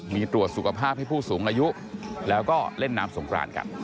มีตรวจสุขภาพให้ผู้สูงอายุแล้วก็เล่นน้ำสงครานกัน